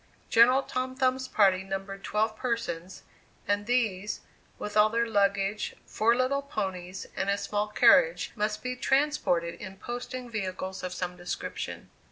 General Tom Thumb's party numbered twelve persons, and these, with all their luggage, four little ponies, and a small carriage, must be transported in posting vehicles of some description.